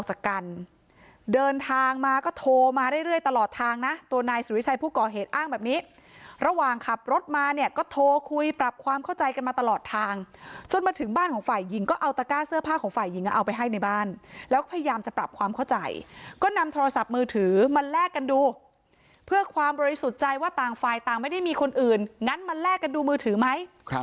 เหตุอ้างแบบนี้ระหว่างขับรถมาเนี่ยก็โทรคุยปรับความเข้าใจกันมาตลอดทางจนมาถึงบ้านของฝ่ายหญิงก็เอาตระกล้าเสื้อผ้าของฝ่ายหญิงเอาไปให้ในบ้านแล้วพยายามจะปรับความเข้าใจก็นำโทรศัพท์มือถือมาแลกกันดูเพื่อความบริสุทธิ์ใจว่าต่างฝ่ายต่างไม่ได้มีคนอื่นงั้นมันแลกกันดูมือถือไหม